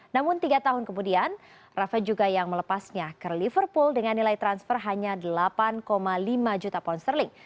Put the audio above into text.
namun tiga tahun kemudian rafa juga yang melepasnya ke liverpool dengan nilai transfer hanya delapan lima juta pound sterling